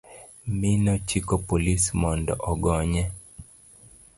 mi nochiko polis mondo ogonye